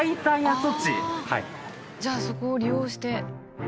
じゃあそこを利用して。